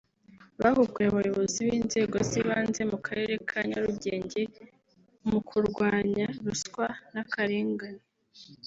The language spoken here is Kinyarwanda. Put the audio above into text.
Bahuguye abayobozi b’inzego z’ibanze mu karere ka Nyarugenge mu kurwanya ruswa n’akarengane